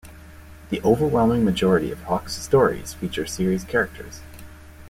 The overwhelming majority of Hoch's stories feature series characters.